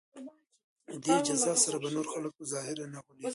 په دې جزا سره به نور خلک په ظاهر نه غولیږي.